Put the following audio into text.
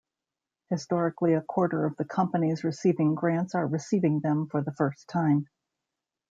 Historically a quarter of the companies receiving grants are receiving them for the first-time.